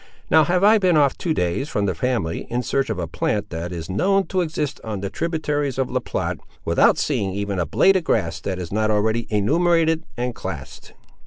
Now have I been off two days from the family, in search of a plant, that is known to exist on the tributaries of La Platte, without seeing even a blade of grass that is not already enumerated and classed."